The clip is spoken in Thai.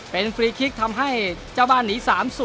เป็นฟรีคลิกทำให้เจ้าบ้านหนี๓๐